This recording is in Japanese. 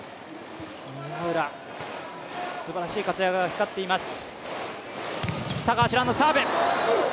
宮浦、すばらしい活躍が光っています。